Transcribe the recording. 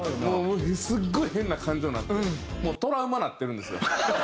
すっごい変な感情になってもうトラウマなってるんですよ。